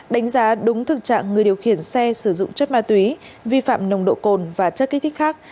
đánh giá đúng thực trạng người điều khiển xe sử dụng chất ma túy vi phạm nồng độ cồn và chất kích thích khác